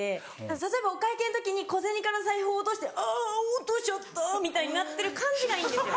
例えばお会計の時に小銭財布落としてあぁ落としちゃった！みたいになってる感じがいいんですよ。